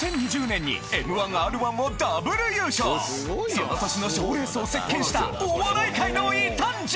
その年の賞レースを席巻したお笑い界の異端児！